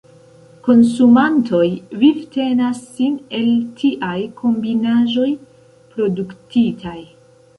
Konsumantoj vivtenas sin el tiaj kombinaĵoj produktitaj.